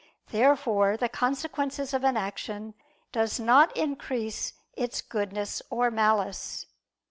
Therefore the consequences of an action doe not increase its goodness or malice.